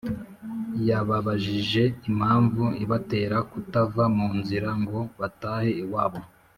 yababajije impamvu ibatera kutava mu nzira ngo batahe iwabo